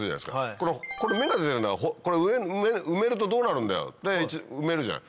この芽が出てるのはこれ埋めるとどうなるんだろうって埋めるじゃない。